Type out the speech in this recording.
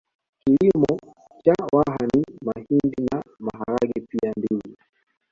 Kilimo cha Waha ni mahindi na maharage pia ndizi